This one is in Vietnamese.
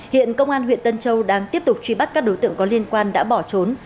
hiện công an huyện tân châu đang tiếp tục truy bắt các đối tượng có liên quan đã bỏ trốn